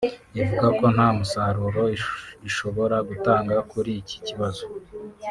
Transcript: ivuga ko nta musaruro ishobora gutanga kuri iki kibazo